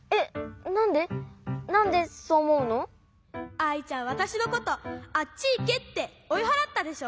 アイちゃんわたしのことあっちいけっておいはらったでしょ？